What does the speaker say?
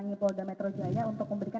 ini bisa ternyata